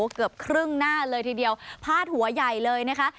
เกือบครึ่งหน้าเลยทีเดียวพาดหัวใหญ่เลยนะคะ